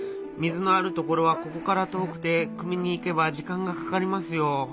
水のある所はここから遠くてくみに行けば時間がかかりますよ。